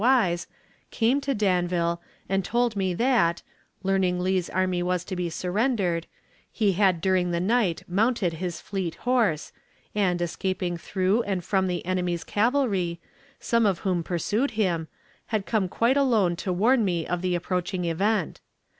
Wise, came to Danville, and told me that, learning Lee's army was to be surrendered, he had during the night mounted his fleet horse, and, escaping through and from the enemy's cavalry, some of whom pursued him, had come quite alone to warn me of the approaching event.